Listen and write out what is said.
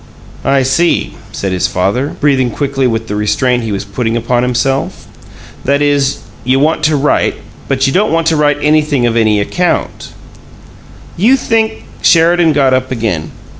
"I see," said his father, breathing quickly with the restraint he was putting upon himself. "That is, you want to write, but you don't want to write anything of any account." "You think " Sheridan got up again.